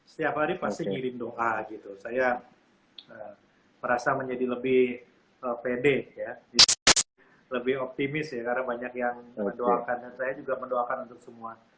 setiap hari pasti ngirim doa gitu saya merasa menjadi lebih pede ya lebih optimis ya karena banyak yang mendoakan dan saya juga mendoakan untuk semua